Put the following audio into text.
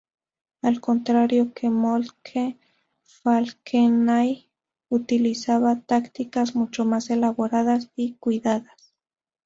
Al contrario que Moltke, Falkenhayn utilizaba tácticas mucho más elaboradas y cuidadas.